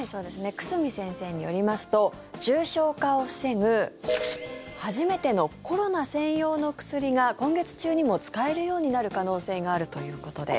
久住先生によりますと重症化を防ぐ初めてのコロナ専用の薬が今月中にも使えるようになる可能性があるということです。